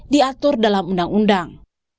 diatur dalam undang undang